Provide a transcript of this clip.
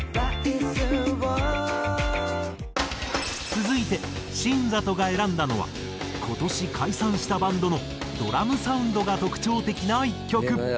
続いて新里が選んだのは今年解散したバンドのドラムサウンドが特徴的な１曲。